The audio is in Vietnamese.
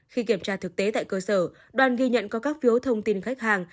khi kiểm tra thực tế tại cơ sở đoàn ghi nhận có các phiếu thông tin khách hàng